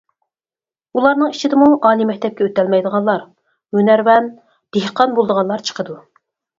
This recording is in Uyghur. ئۇلارنىڭ ئىچىدىمۇ ئالىي مەكتەپكە ئۆتەلمەيدىغانلار، ھۈنەرۋەن، دېھقان بولىدىغانلار چىقىدۇ.